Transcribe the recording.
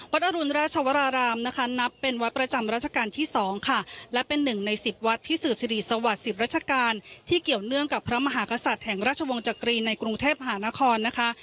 อรุณราชวรารามนะคะนับเป็นวัดประจำราชการที่๒ค่ะและเป็นหนึ่งในสิบวัดที่สืบสิริสวัสดิ์๑๐ราชการที่เกี่ยวเนื่องกับพระมหากษัตริย์แห่งราชวงศ์จักรีในกรุงเทพหานครนะคะ